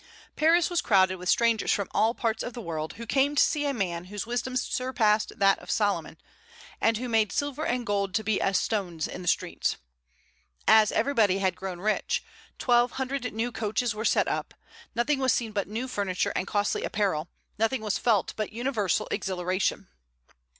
Paris was crowded with strangers from all parts of the world, who came to see a man whose wisdom surpassed that of Solomon, and who made silver and gold to be as stones in the streets. As everybody had grown rich, twelve hundred new coaches were set up; nothing was seen but new furniture and costly apparel, nothing was felt but universal exhilaration.